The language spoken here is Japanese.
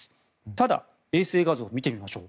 ただ衛星画像を見てみましょう。